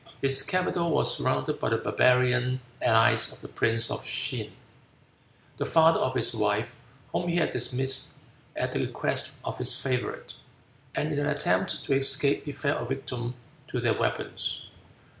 His capital was surrounded by the barbarian allies of the Prince of Shin, the father of his wife, whom he had dismissed at the request of his favorite, and in an attempt to escape he fell a victim to their weapons.